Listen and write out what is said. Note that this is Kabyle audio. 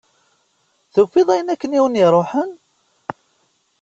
Tufiḍ ayen akken i awen-iruḥen?